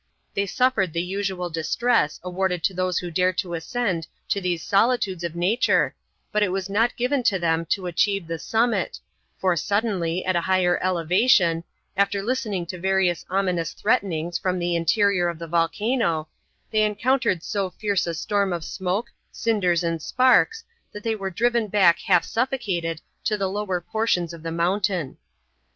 They suffered the usual distress awarded to those who dare to ascend to these solitudes of nature but it was not given to them to achieve the summit, for suddenly, at a higher elevation, after listening to various ominous threatenings from the interior of the volcano, they encountered so fierce a storm of smoke, cinders, and sparks, that they were driven back half suffocated to the lower portions of the mountain.